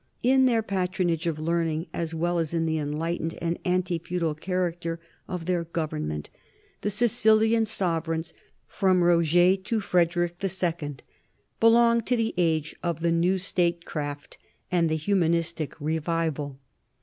In their patronage of learning, as well as in the enlightened and anti feudal character of their government, the Sicilian sovereigns, from Roger to Frederick II, belong to the age of the new statecraft and the humanistic revival.